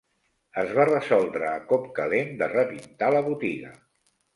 Es va resoldre a cop calent de repintar la botiga.